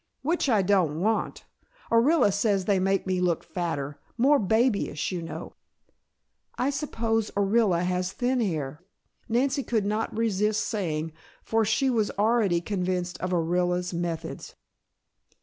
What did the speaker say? "Which I don't want. Orilla says they make me look fatter, more babyish, you know." "I suppose Orilla has thin hair," Nancy could not resist saying, for she was already convinced of Orilla's methods.